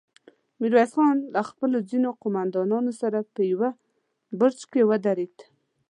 ميرويس خان له خپلو ځينو قوماندانانو سره په يوه برج کې ودرېد.